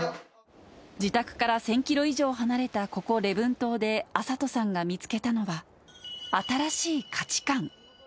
自宅から１０００キロ以上離れたここ、礼文島で、暁里さんが見つけたのは、新しい価値観。